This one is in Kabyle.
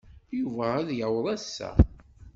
Yuba ad d-yaweḍ ass-a.